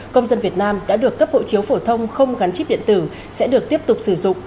công dân việt nam đã được cấp hộ chiếu phổ thông không gắn chip điện tử sẽ được tiếp tục sử dụng